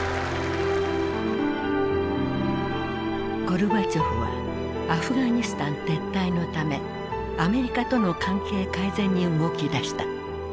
ゴルバチョフはアフガニスタン撤退のためアメリカとの関係改善に動きだした。